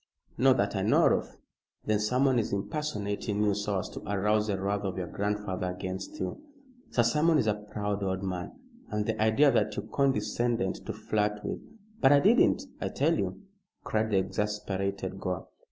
"Not that I know of." "Then someone is impersonating you so as to arouse the wrath of your grandfather against you. Sir Simon is a proud old man, and the idea that you condescended to flirt with " "But I didn't, I tell you!" cried the exasperated Gore.